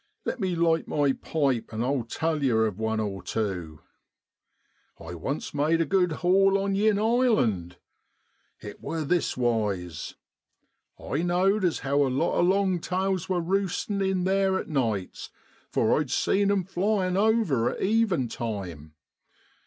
Let me light my pipe, and I tell yer of one or tew. I once made a good haul on yin island. It war thiswise, I know'd as how a lot of * longtails ' was roosting in theer at nights, for I'd seed 'em flyin' over at even time.